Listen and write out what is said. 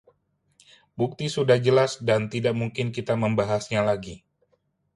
bukti sudah jelas dan tidak mungkin kita membahasnya lagi